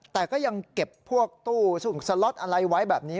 แต่ก็ยังเก็บพวกตู้ซุ่งสล็อตอะไรไว้แบบนี้